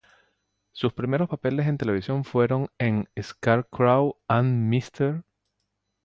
Sus primeros papeles en televisión fueron en "Scarecrow and Mrs.